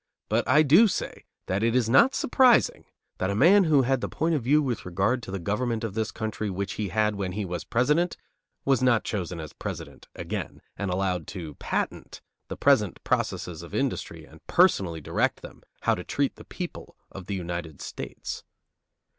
But I do say that it is not surprising that a man who had the point of view with regard to the government of this country which he had when he was President was not chosen as President again, and allowed to patent the present processes of industry and personally direct them how to treat the people of the United States.